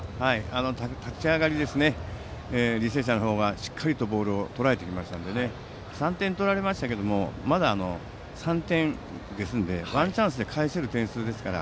立ち上がり、履正社の方がしっかりボールをとらえてきたので３点取られましたがまだ３点ですのでワンチャンスで返せる点数ですから。